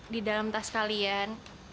kepala makasih holy sial